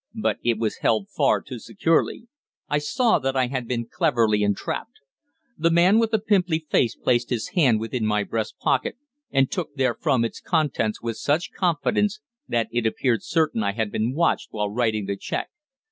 But it was held far too securely. I saw that I had been cleverly entrapped! The man with the pimply face placed his hand within my breast pocket and took therefrom its contents with such confidence that it appeared certain I had been watched while writing the cheque.